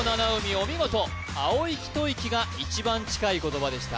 お見事「青息吐息」が一番近い言葉でした